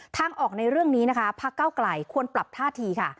ทางออกในเรื่องนี้นะคะพักเก้าไกลควรปรับท่าทีค่ะ